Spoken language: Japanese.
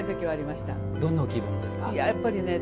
どんな気分ですか？